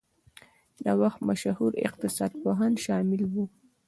د وخت مشهور اقتصاد پوهان شامل وو.